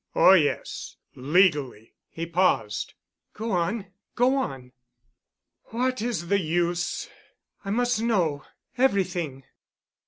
"Oh, yes. Legally——" he paused. "Go on—go on." "What is the use?" "I must know—everything."